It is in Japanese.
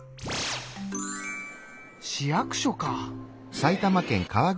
市役所か。